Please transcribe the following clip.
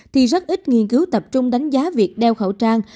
thì rất ít nghiên cứu tập trung đánh giá việc đeo khẩu trang